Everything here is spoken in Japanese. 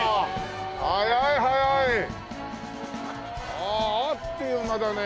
あああっという間だね。